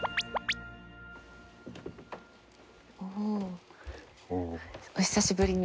おおお久しぶりに。